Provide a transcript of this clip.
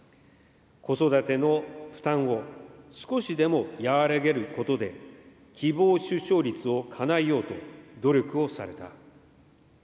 子育ての負担を少しでも和らげることで、希望出生率をかなえようと努力をされた。